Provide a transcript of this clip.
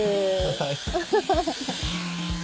はい。